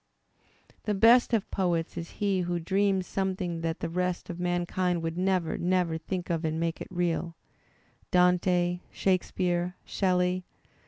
The best of poets is he who dreams something that the rest of mankind would never, never think of and makes it real — Dante, Shakespeare, Shelley.